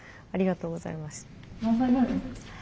ありがとうございます。